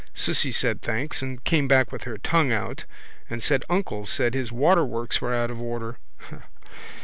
Cissy said thanks and came back with her tongue out and said uncle said his waterworks were out of order.